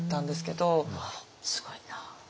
すごいな。